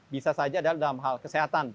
bisa saja dalam hal kesehatan